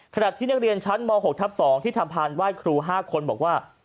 ขนาดที่นักเรียนชั้นม๖ท๒ทธรรมภารไหว้ครู๕คนบอกว่า